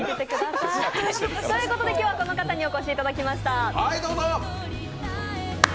今日はこの方にお越しいただきました。